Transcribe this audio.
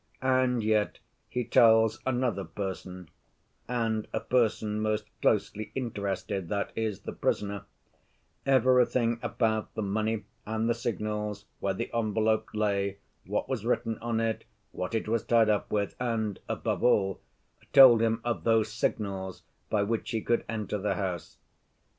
And yet he tells another person—and a person most closely interested, that is, the prisoner—everything about the money and the signals, where the envelope lay, what was written on it, what it was tied up with, and, above all, told him of those signals by which he could enter the house.